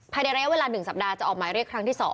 ภายในระยะเวลา๑สัปดาห์จะออกหมายเรียกครั้งที่๒